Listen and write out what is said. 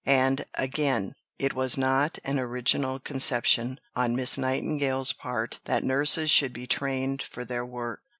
And, again, it was not an original conception on Miss Nightingale's part that nurses should be trained for their work.